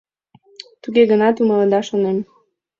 Туге гынат умыледа, шонем.